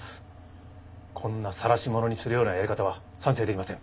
こんなさらし者にするようなやり方は賛成できません。